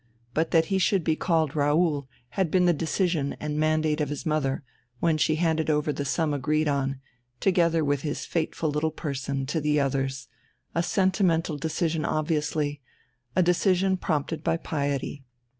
But that he should be called Raoul had been the decision and mandate of his mother, when she handed over the sum agreed on, together with his fateful little person, to the others a sentimental decision obviously, a decision prompted by piety.